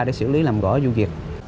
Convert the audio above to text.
để xử lý làm gõ vụ việc